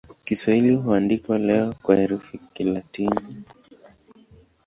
Kiswahili huandikwa leo kwa herufi za Kilatini.